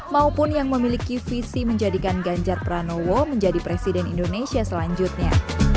maupun yang memiliki visi menjadikan ganjar pranowo menjadi presiden indonesia selanjutnya